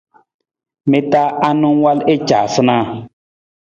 Mi ta anang wal i caasunaa?